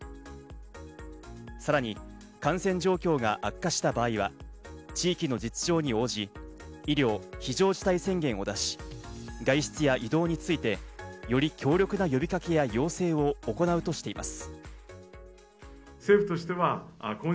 さらに感染状況が悪化した場合は、地域の実情に応じ、医療非常事態宣言を出し、外出や移動についてより強力な呼びかけや要請を行うとしています。